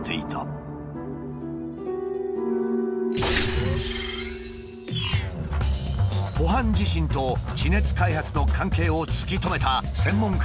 ポハン地震と地熱開発の関係を突き止めた専門家を訪ねた。